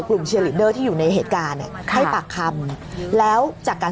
กลุ่มที่อยู่ในเหตุการณ์อ่ะค่ะให้ปากคำแล้วจากการ